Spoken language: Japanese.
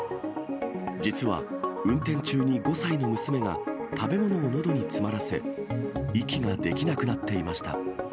実は運転中に、５歳の娘が食べ物をのどに詰まらせ、息ができなくなっていました。